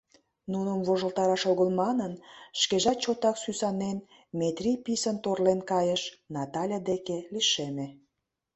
Нуным вожылтараш огыл манын, шкежат чотак сӱсанен, Метрий писын торлен кайыш, Натале деке лишеме.